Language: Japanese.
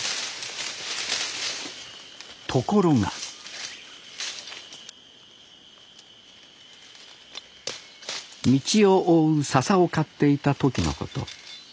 ところが道を覆うササを刈っていた時のこと。